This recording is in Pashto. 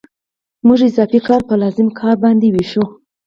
موږ اضافي کار په لازم کار باندې وېشو